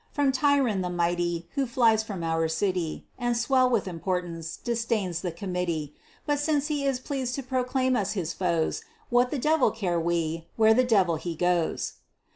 From Tryon, the mighty, who flies from our city, And swelled with importance, disdains the committee (But since he is pleased to proclaim us his foes, What the devil care we where the devil he goes).